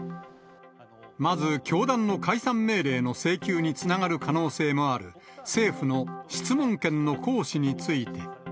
まず、教団の解散命令の請求につながる可能性のある、政府の質問権の行使について。